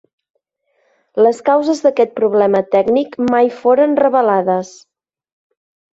Les causes d'aquest problema tècnic mai foren revelades.